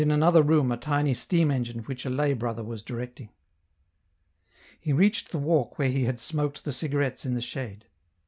another room a tiny steam engine which a lay brother was directing. He reached the walk where he had smoked the cigarettes in the shade.